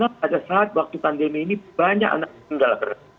karena pada saat waktu pandemi ini banyak anak meninggal